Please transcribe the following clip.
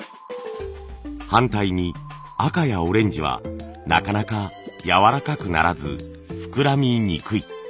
反対に赤やオレンジはなかなかやわらかくならず膨らみにくい。